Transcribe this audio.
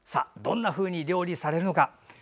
どんなふうに料理されるのか。